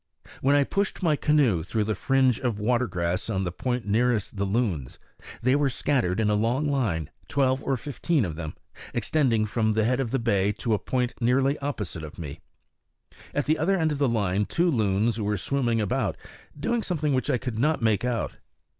When I pushed my canoe through the fringe of water grass on the point nearest the loons, they were scattered in a long line, twelve or fifteen of them, extending from the head of the bay to a point nearly opposite me. At the other end of the line two loons were swimming about, doing something which I could not make out.